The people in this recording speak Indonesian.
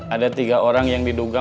ada tiga orang yang diduga